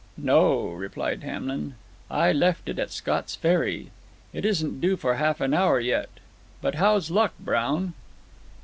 "No," replied Hamlin; "I left it at Scott's Ferry. It isn't due for half an hour yet. But how's luck, Brown?"